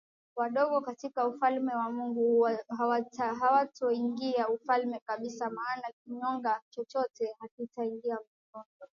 Wadogo katika ufalme wa Mungu hawatauingia ufalme kabisa maana kinyonge chochote hakitaingia Mbinguni